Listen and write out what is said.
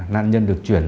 nạn nhân được chuyển